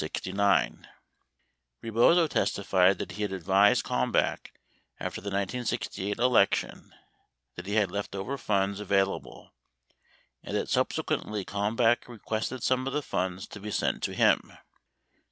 Re bozo testified that he had advised Kalmbach after the 1968 election that, he had leftover funds available and that subsequently Kalmbach re quested some of the funds to be sent to him.